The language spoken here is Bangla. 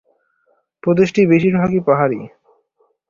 প্রদেশটি বেশিরভাগই পাহাড়ি।